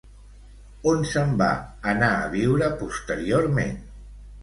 On se'n va anar a viure posteriorment?